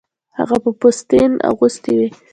هغه به پوستین اغوستې وې